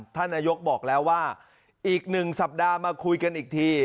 ท่านนายกบอกแล้วว่าอีก๑สัปดาห์มาคุยกันอีกที